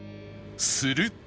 すると